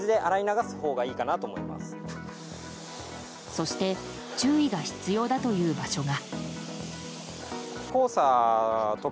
そして注意が必要だという場所が。